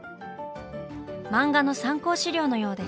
漫画の参考資料のようです。